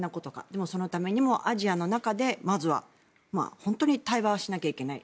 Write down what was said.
でもそのためにもアジアの中でまずは本当に対話をしないといけない。